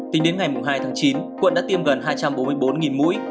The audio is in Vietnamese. tính đến ngày hai tháng chín quận đã tiêm gần hai trăm bốn mươi bốn mũi